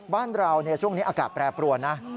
บ้านเราช่วงนี้อากาศแปรปรวนนะ